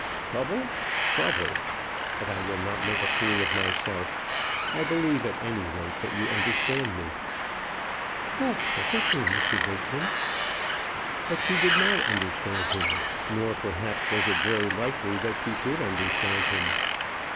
"Trouble trouble! But I will not make a fool of myself. I believe at any rate that you understand me." "Oh! perfectly, Mr. Bertram." But she did not understand him; nor perhaps was it very likely that she should understand him.